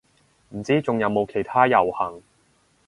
唔知仲有冇其他遊行